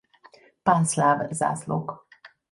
Pánszláv zászlók.